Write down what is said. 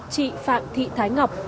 chị phạm thị thái ngọc